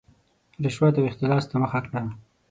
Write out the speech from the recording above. رشوت او اختلاس ته مخه کړه.